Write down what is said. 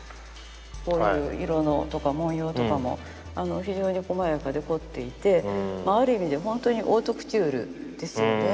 こういう色とか文様とかも非常にこまやかで凝っていてある意味で本当にオートクチュールですよね。